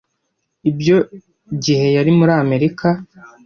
Ibyo gihe yari muri Amerika.